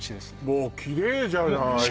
もうきれいじゃないよ